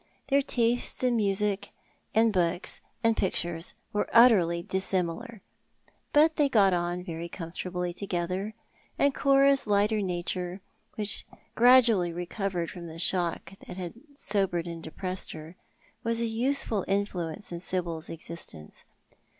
Their tastes in books, and music, and pictures were utterly dissimilar ; but they got on very comfortably together, aud Cora's lighter nature, which gradually recovered from the shojk that had sobered and depressed her, was a useful influence in Sibyl's existence.